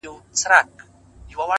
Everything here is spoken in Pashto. ستا د يوه واري ليدلو جنتې خوندونه’